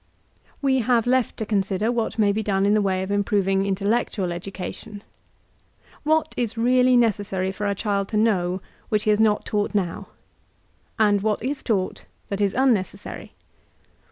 We have left to consider what may be done in the way of improving intellectual education. What is really necessary for a child to know which he is not taught now? and what is tau^t that is unnecessary?